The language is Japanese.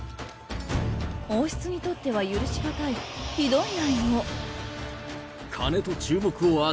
王室にとっては許し難い、ひどい内容。